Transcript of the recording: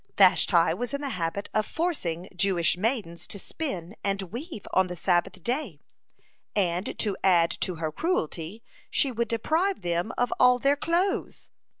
Vashti was in the habit of forcing Jewish maidens to spin and weave on the Sabbath day, and to add to her cruelty, she would deprive them of all their clothes.